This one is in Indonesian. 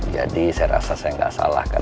jadi saya rasa saya gak salahkan